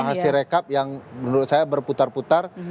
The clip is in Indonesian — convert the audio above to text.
hasil rekap yang menurut saya berputar putar